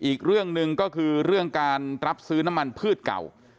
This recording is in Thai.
อีกเรื่องหนึ่งก็คือเรื่องการรับซื้อน้ำมันพืชเก่า